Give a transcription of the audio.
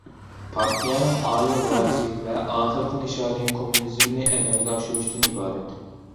پارتىيەنىڭ ئالىي غايىسى ۋە ئاخىرقى نىشانى كوممۇنىزمنى ئەمەلگە ئاشۇرۇشتىن ئىبارەت.